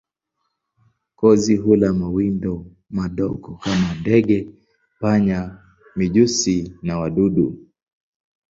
Kozi hula mawindo madogo kama ndege, panya, mijusi na wadudu.